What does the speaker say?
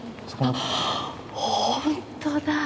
本当だ！